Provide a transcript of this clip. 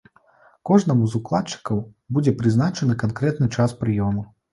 Кожнаму з укладчыкаў будзе прызначаны канкрэтны час прыёму.